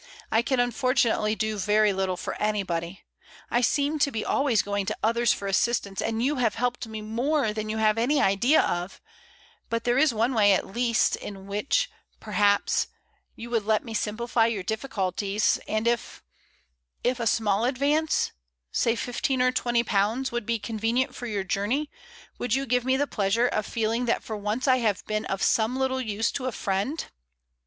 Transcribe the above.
I can unfortunately do very little for anybody. I seem to be always going to others for assistance, and you have helped me more than you have any idea of; but there is one way, at least, in which, perhaps, you would let me simplify your difficulties, and if — if a small advance, say fifteen or twenty pounds, would be convenient for your journey, would you give me the pleasure of feeling that for once I have been of some little use to a friend?"